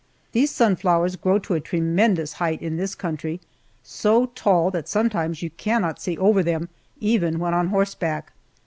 These sunflowers grow to a tremendous height in this country, so tall that sometimes you cannot see over them even when on horseback.